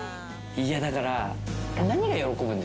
いやだから。